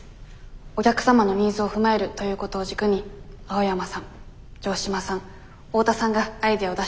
お客様のニーズを踏まえるということを軸に青山さん城島さん大田さんがアイデアを出して下さり